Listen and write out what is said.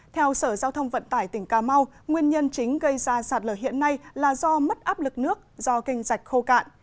theo sở giao thông vận tải tỉnh cà mau nguyên nhân chính gây ra sạt lở hiện nay là do mất áp lực nước do kênh dạch khô cạn